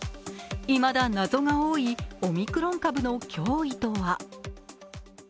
いまだ謎が多いオミクロン株の脅威とは。